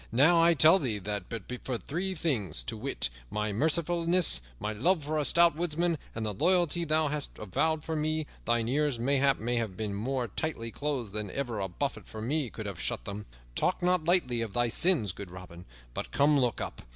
"Now I tell thee that but for three things, to wit, my mercifulness, my love for a stout woodsman, and the loyalty thou hast avowed for me, thine ears, mayhap, might have been more tightly closed than ever a buffet from me could have shut them. Talk not lightly of thy sins, good Robin. But come, look up.